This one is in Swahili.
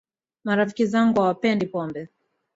Marafiki zangu hawapendi pombe